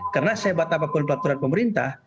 karena sebatapapun aturan pemerintah